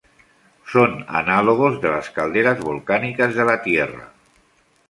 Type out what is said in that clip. Son análogos de las calderas volcánicas de la Tierra.